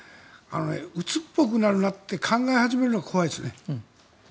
うつっぽくなるなって考え始めるのが怖いですね。